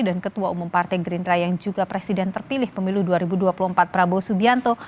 dan ketua umum partai gerindra yang juga presiden terpilih pemilu dua ribu dua puluh empat prabowo subianto